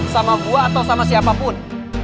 sama buah atau sama siapapun